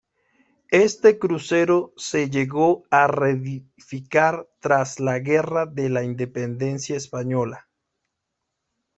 Este crucero se llegó a reedificar tras la Guerra de la Independencia española.